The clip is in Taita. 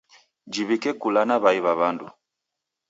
Jiwike kula na mwai wa w'andu.